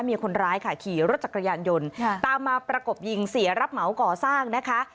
มีคนร้ายค่ะขี่รถจักรยานยนต์ตามมาประกบยิงเสียรับเหมาก่อสร้างนะคะ